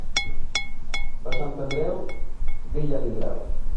Per Sant Andreu, vi ja tindreu.